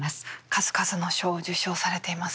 数々の賞を受賞されていますね。